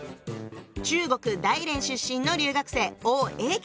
中国・大連出身の留学生王英傑さん。